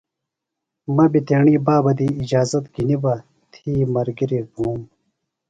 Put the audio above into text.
مہ بیۡ تیݨی بابہ دی اجازت گِھنیۡ بہ تھی ملگِریۡ بُھوم۔